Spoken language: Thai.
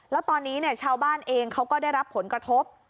แล้วตอนนี้ชาวบ้านเองเขาก็ได้รับผลกระทบ